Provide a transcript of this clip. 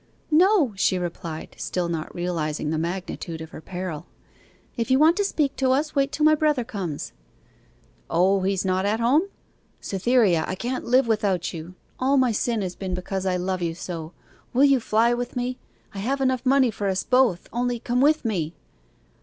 'No,' she replied, still not realizing the magnitude of her peril. 'If you want to speak to us, wait till my brother comes.' 'O, he's not at home? Cytherea, I can't live without you! All my sin has been because I love you so! Will you fly with me? I have money enough for us both only come with me.